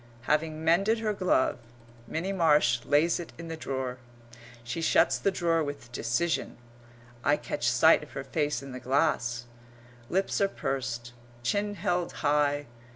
Having mended her glove, Minnie Marsh lays it in the drawer. She shuts the drawer with decision. I catch sight of her face in the glass. Lips are pursed. Chin held high.